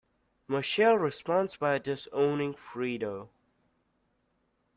Michael responds by disowning Fredo.